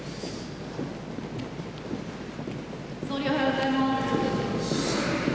総理、おはようございます。